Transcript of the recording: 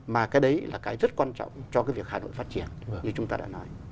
mà cái đấy là cái rất quan trọng cho cái việc hà nội phát triển như chúng ta đã nói